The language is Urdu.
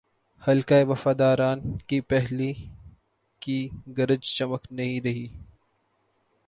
حلقۂ وفاداران کی پہلے کی گرج چمک نہیںرہی۔